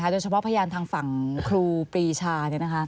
โดยเฉพาะพยานทางฝั่งครูปรีชา